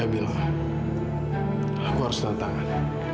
silakan bapak tanda tangan